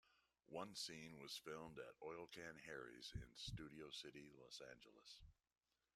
One scene was filmed at Oil Can Harry's in Studio City, Los Angeles.